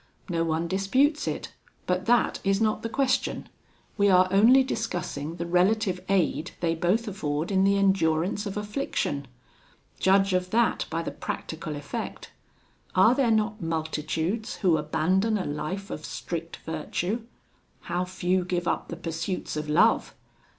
No one disputes it, but that is not the question we are only discussing the relative aid they both afford in the endurance of affliction. Judge of that by the practical effect: are there not multitudes who abandon a life of strict virtue? how few give up the pursuits of love!